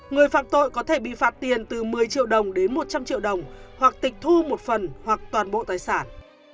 người phạm tội có thể bị phạt tiền từ một mươi triệu đồng đến một trăm linh triệu đồng hoặc tịch thu một phần hoặc toàn bộ tài sản